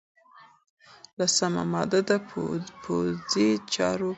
لسمه ماده د پوځي چارو په اړه وه.